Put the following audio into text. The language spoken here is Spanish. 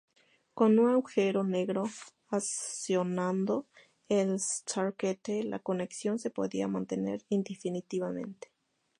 Con un Agujero Negro accionando el stargate, la conexión se podía mantener indefinidamente.